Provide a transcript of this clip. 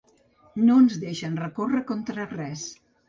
No ens deixen recórrer contra res.